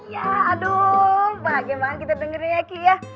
ya aduh bahagia banget kita dengerinnya ki ya